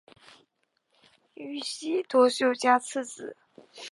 宇喜多秀家次子。